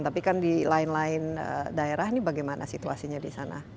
tapi kan di lain lain daerah ini bagaimana situasinya